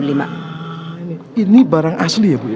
ini barang asli ya bu ya